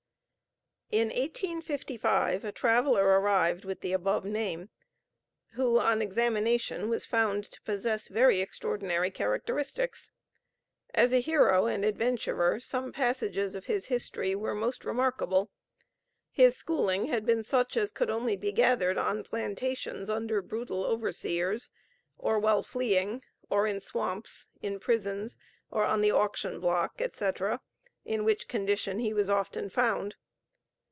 In 1855 a traveler arrived with the above name, who, on examination, was found to possess very extraordinary characteristics. As a hero and adventurer some passages of his history were most remarkable. His schooling had been such as could only be gathered on plantations under brutal overseers; or while fleeing, or in swamps, in prisons, or on the auction block, etc.; in which condition he was often found.